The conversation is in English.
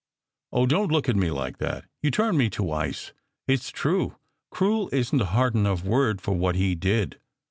Oh, don t look at me like that. You turn me to ice. It s true cruel isn t a hard enough word for what he did.